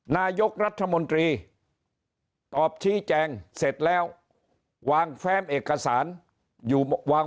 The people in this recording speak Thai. นายกรัฐมนตรีตอบชี้แจงเสร็จแล้ววางแฟ้มเอกสารอยู่วาง